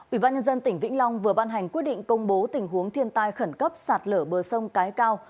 ủy ban nhân dân tỉnh vĩnh long vừa ban hành quyết định công bố tình huống thiên tai khẩn cấp sạt lở bờ sông cái cao